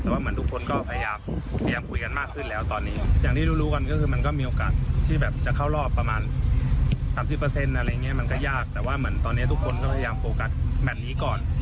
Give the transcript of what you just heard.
แต่ว่าเหมือนตอนนี้ทุกคนก็พยายามโปรกัสแมทนี้ก่อน